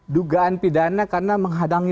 dugaan pidana karena menghadangi